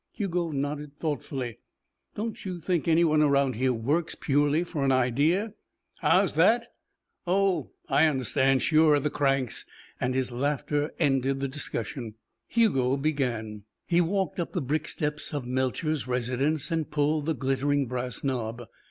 Hugo nodded thoughtfully. "Don't you think anyone around here works purely for an idea?" "How's that? Oh I understand. Sure. The cranks!" And his laughter ended the discussion. Hugo began. He walked up the brick steps of Melcher's residence and pulled the glittering brass knob.